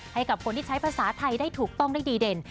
ให้กับคนที่ใช้ภาษาไทยได้ถูกต้องได้ดีเด่น